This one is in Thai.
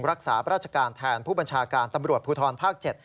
รักษาราชการแทนผู้บัญชาการตำรวจภูทรภาค๗